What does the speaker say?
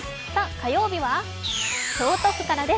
火曜日は京都府からです。